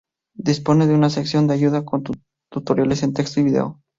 Dispone de una sección de ayuda con tutoriales en texto y video.